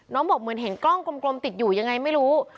บอกเหมือนเห็นกล้องกลมติดอยู่ยังไงไม่รู้